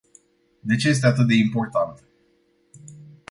De ce este atât de important?